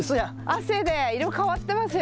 汗で色変わってますよ。